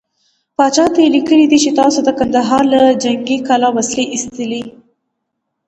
پاچا ته يې ليکلي دي چې تاسو د کندهار له جنګې کلا وسلې ايستلې.